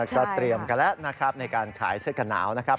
ก็เตรียมกันแล้วนะครับในการขายเสื้อกันหนาวนะครับ